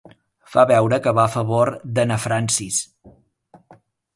Fa veure que va a favor de na Francis.